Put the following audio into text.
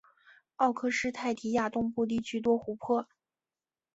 奥克施泰提亚东部地区多湖泊。